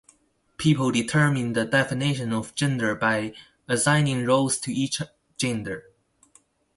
People determine the definition of gender by assigning roles to each gender.